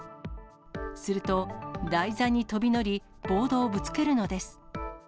すると、台座に飛び乗り、ボードをぶつけるのです。